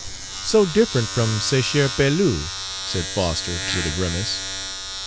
"So different from ce cher Pelouse," said Foster, with a grimace.